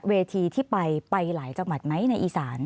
เวทีที่ไปไปหลายจังหวัดไหมในอีสาน